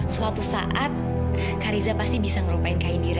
suatu saat kak riza pasti bisa ngelupain kak indira